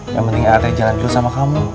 yang penting arte jalan dulu sama kamu